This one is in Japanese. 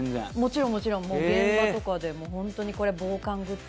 もちろん、現場とかでも防寒グッズ。